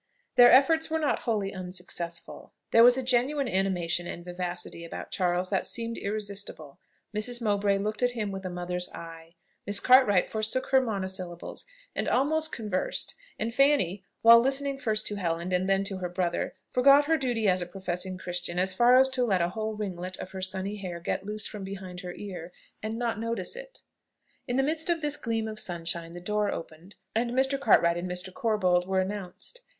Their efforts were not wholly unsuccessful. There was a genuine animation and vivacity about Charles that seemed irresistible: Mrs. Mowbray looked at him with a mother's eye; Miss Cartwright forsook her monosyllables, and almost conversed; and Fanny, while listening first to Helen, and then to her brother, forgot her duty as a professing Christian as far as to let a whole ringlet of her sunny hair get loose from behind her ear, and not notice it. In the midst of this gleam of sunshine the door opened, and Mr. Cartwright and Mr. Corbold were announced.